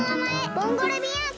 ボンゴレビアンコ